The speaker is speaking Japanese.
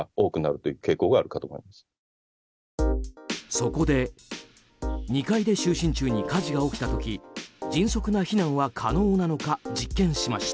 そこで、２階で就寝中に火事が起きた時迅速な避難は可能なのか実験しました。